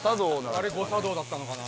あれ誤作動だったのかな。